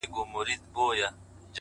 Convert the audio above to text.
• زور لرو زلمي لرو خو مخ د بلا نه نیسي ,